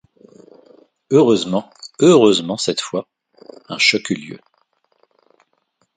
Heureusement, — heureusement cette fois, — un choc eut lieu.